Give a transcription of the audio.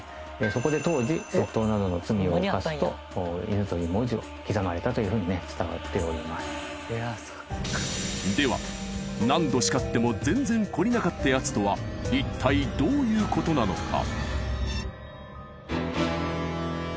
そこで当時窃盗などの罪を犯すと犬という文字を刻まれたというふうにね伝わっておりますでは何度叱っても全然懲りなかったやつとは一体どういうことなのか？